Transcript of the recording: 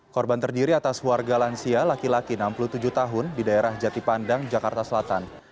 korban terdiri atas warga lansia laki laki enam puluh tujuh tahun di daerah jatipandang jakarta selatan